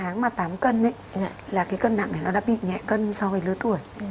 nếu một bạn một mươi sáu tháng mà tám kg là cân nặng đã bị nhẹ cân so với lứa tuổi